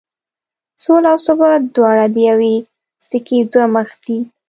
سوله او ثبات دواړه د یوې سکې دوه مخ دي.